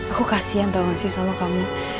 aku kasian tau gak sih sama kamu